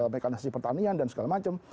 mekanisme pertanian dan segala macam